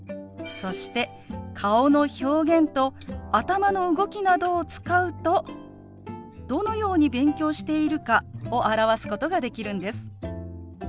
そして顔の表現と頭の動きなどを使うとどのように勉強しているかを表すことができるんです。